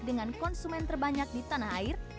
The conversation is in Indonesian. dengan konsumen terbanyak di tanah air